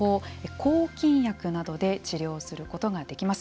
抗菌薬などで治療することができます。